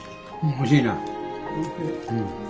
おいしい。